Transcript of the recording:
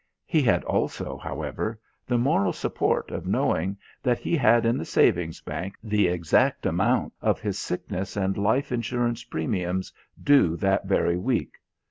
He had also, however, the moral support of knowing that he had in the savings bank the exact amount of his sickness and life insurance premiums due that very week.